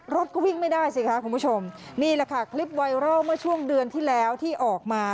รถก็วิ่งไม่ได้สิคะคุณผู้ชมนี่แหละค่ะคลิปไวรัลเมื่อช่วงเดือนที่แล้วที่ออกมา